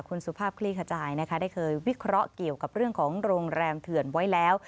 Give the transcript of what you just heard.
คุณสุภาพคลี่ขจายนะคะได้เคยวิเคราะห์เกี่ยวกับเรื่องของโรงแรมเถื่อนไว้แล้ว